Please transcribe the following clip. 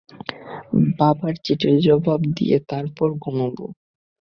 বাবার চিঠির জবাব দিয়ে তারপর ঘুমুবো।